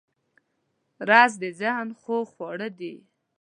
رس د ذهن خوږ خواړه دی